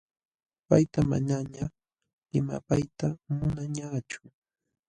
Payta manañaq limapayta munaañachu.